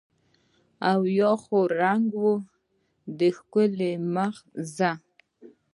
او یا خو رنګ وای د ښکلي مخ زه